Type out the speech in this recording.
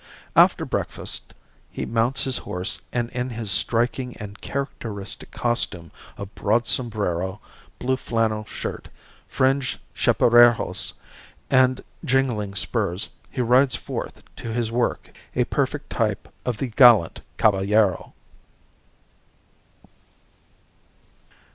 After breakfast he mounts his horse and in his striking and characteristic costume of broad sombrero, blue flannel shirt, fringed chaperejos and jingling spurs he rides forth to his work a perfect type of the gallant caballero.